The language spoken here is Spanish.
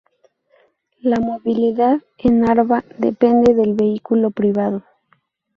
La movilidad en Narva depende del vehículo privado.